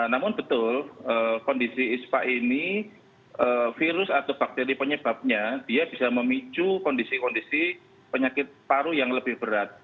namun betul kondisi ispa ini virus atau bakteri penyebabnya dia bisa memicu kondisi kondisi penyakit paru yang lebih berat